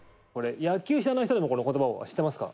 野球知らない人でもこの言葉は知ってますか？